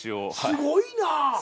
すごいな！